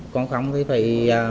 còn không thì phải